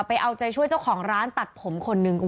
ไปเอาใจช่วยเจ้าของร้านตัดผมคนหนึ่ง